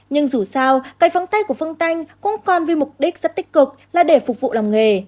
nhưng dù sao cái phong tay của phương tây cũng còn vì mục đích rất tích cực là để phục vụ làm nghề